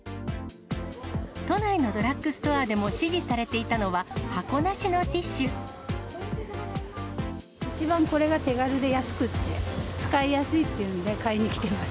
都内のドラッグストアでも支持されていたのは、箱なしのティ一番これが手軽で安くて、使いやすいというので、買いに来てます。